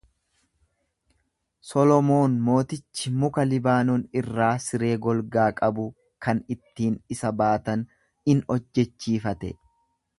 Solomoon mootichi muka Liibaanon irraa siree golgaa qabu kan ittiin isa baatan in hojjechiifate.